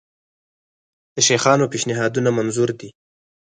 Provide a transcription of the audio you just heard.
د شیخانانو پېشنهادونه منظور دي.